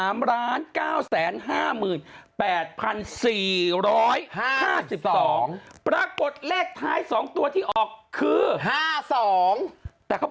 ปรากฏเลขท้าย๒ตัวที่ออกคือ